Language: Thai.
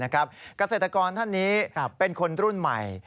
เกษตรกรท่านนี้เป็นคนรุ่นใหม่